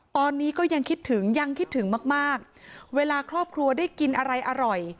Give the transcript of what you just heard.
ตอนนี้ก็ยังคิดถึงยังคิดถึงมากมากเวลาครอบครัวได้กินอะไรอร่อย